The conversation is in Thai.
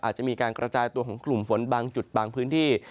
อาจจะมีการกระจายตัวของกลุ่มฝนบางจุดบางพื้นที่